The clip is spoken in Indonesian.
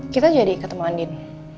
kita jadi ketemu andin